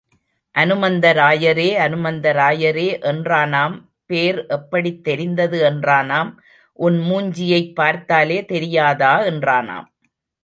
அனுமந்தராயரே, அனுமந்தராயரே என்றானாம் பேர் எப்படித் தெரிந்தது என்றானாம் உன் மூஞ்சியைப் பார்த்தாலே தெரியாதா என்றானாம்.